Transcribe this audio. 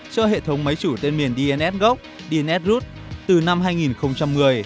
cho hệ thống máy chủ tên miền dns gốc dns root từ năm hai nghìn một mươi